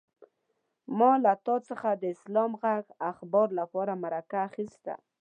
ما له تا څخه د اسلام غږ اخبار لپاره مرکه اخيسته.